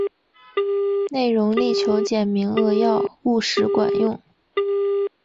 内容力求简明扼要、务实管用